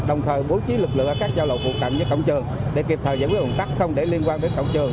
đồng thời bố trí lực lượng ở các giao lộ phụ cạnh với cổng trường để kịp thời giải quyết ủng cắt không để liên quan đến cổng trường